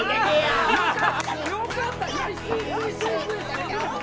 あよかった！